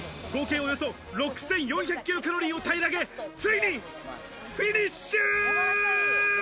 およそ６４００キロカロリーを平らげ、ついにフィニッシュ！